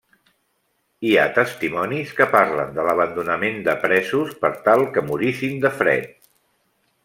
Hi ha testimonis que parlen de l'abandonament de presos per tal que morissin de fred.